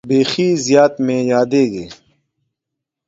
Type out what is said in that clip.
بیخي زیات مې یادېدې.